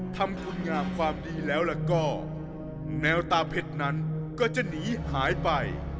ทำคุณงามความดีแล้วก็แนวตาเผ็ดนั้นก็จะหนีหายไป